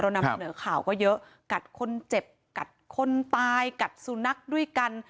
นำเสนอข่าวก็เยอะกัดคนเจ็บกัดคนตายกัดสุนัขด้วยกัน